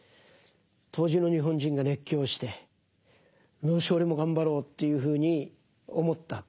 当時の日本人が熱狂してよし俺も頑張ろうというふうに思った。